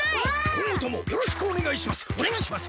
こんごともよろしくおねがいします！